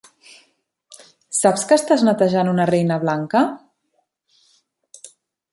Saps que estàs netejant una Reina Blanca?